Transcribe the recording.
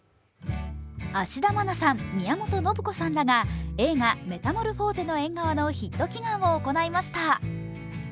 芦田愛菜さん、宮本信子さんらが映画「メタモルフォーゼの縁側」のヒット祈願を行いました。